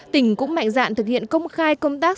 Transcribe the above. tỉnh cũng mạnh dạn thực hiện công khai công tác